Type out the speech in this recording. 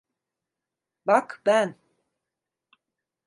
Bak, ben...